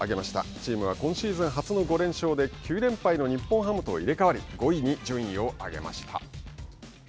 チームは今シーズン初の５連勝で９連敗の日本ハムと入れ代わり５位に順位を上げました。